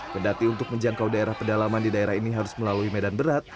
kendati untuk menjangkau daerah pedalaman di daerah ini harus melalui medan berat